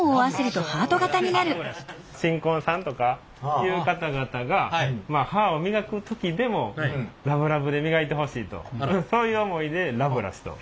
新婚さんとかいう方々が歯を磨く時でもラブラブで磨いてほしいとそういう思いでラブラシと。